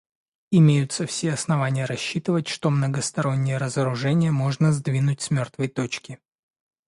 Имеются все основания рассчитывать, что многостороннее разоружение можно сдвинуть с мертвой точки.